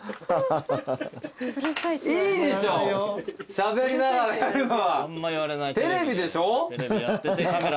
しゃべりながらやるのは。